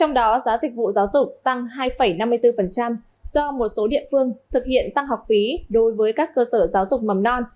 trong đó giá dịch vụ giáo dục tăng hai năm mươi bốn do một số địa phương thực hiện tăng học phí đối với các cơ sở giáo dục mầm non